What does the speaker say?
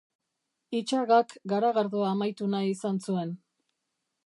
Itxagak garagardoa amaitu nahi izan zuen.